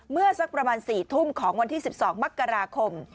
สักประมาณ๔ทุ่มของวันที่๑๒มกราคม